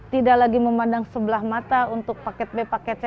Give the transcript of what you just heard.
tidak lagi memandang sebelah mata untuk paket b paket c